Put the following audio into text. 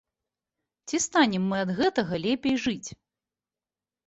Ці станем мы ад гэтага лепей жыць?